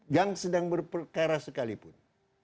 yang sedang berperkara sekalipun